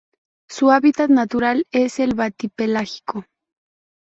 Su hábitat natural es batipelágico.